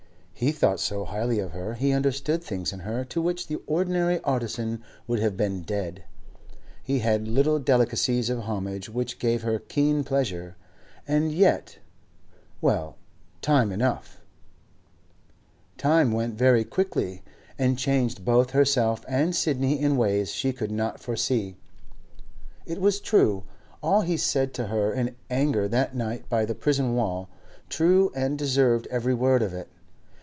He thought so highly of her, he understood things in her to which the ordinary artisan would have been dead; he had little delicacies of homage which gave her keen pleasure. And yet—well, time enough! Time went very quickly, and changed both herself and Sidney in ways she could not foresee. It was true, all he said to her in anger that night by the prison wall—true and deserved every word of it.